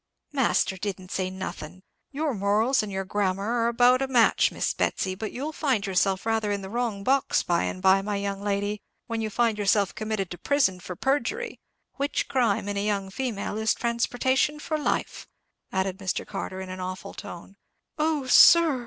"Master didn't say nothing! Your morals and your grammar are about a match, Miss Betsy; but you'll find yourself rather in the wrong box by and by, my young lady, when you find yourself committed to prison for perjury; which crime, in a young female, is transportation for life," added Mr. Carter, in an awful tone. "Oh, sir!"